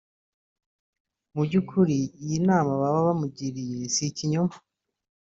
Mu by’ukuri iyi nama baba bamugiriye si ikinyoma